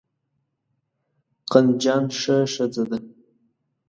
قندجان ښه ښځه ده.